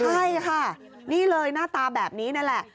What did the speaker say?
ใช่ค่ะนี่เลยหน้าตาแบบนี้นั่นแหละ